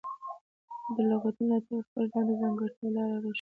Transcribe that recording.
د لغتونو راتګ خپل ځان ته ځانګړې لاره او روش لري.